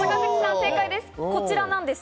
正解です。